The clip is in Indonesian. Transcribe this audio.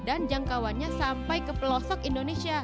dan jangkauannya sampai ke pelosok indonesia